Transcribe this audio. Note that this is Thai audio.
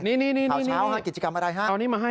ข่าวเช้ากิจกรรมมาได้เอาแสวมาให้